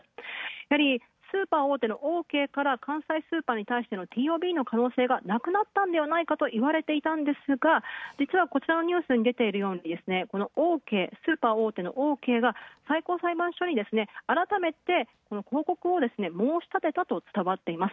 やはりスーパー大手のオーケーから関西スーパーに対して、なくなったといわれていたんですがこちらのニュースに出ているように大手のオーケーが最高裁判所に改めて報告を申し立てたと伝わっています。